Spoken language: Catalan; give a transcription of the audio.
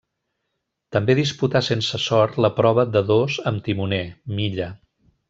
També disputà, sense sort, la prova de dos amb timoner, milla.